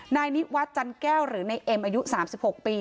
นายนิวัฒน์จันแก้วหรือในเอ็มอายุ๓๖ปี